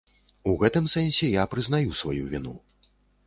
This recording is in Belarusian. У гэтым сэнсе я прызнаю сваю віну.